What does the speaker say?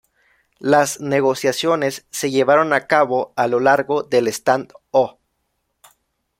Las negociaciones se llevaron a cabo a lo largo del stand-o.